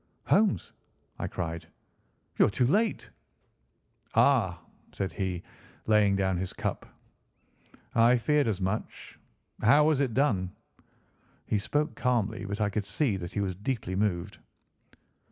"Holmes," I cried, "you are too late." "Ah!" said he, laying down his cup, "I feared as much. How was it done?" He spoke calmly, but I could see that he was deeply moved.